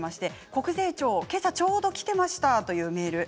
国税庁、今朝ちょうどきていましたというメール。